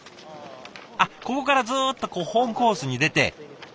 あっここからズーッと本コースに出て。